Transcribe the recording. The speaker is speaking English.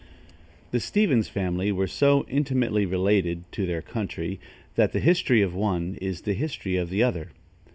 The Stevens family were so intimately related to their country, that the history of one is the history of the other.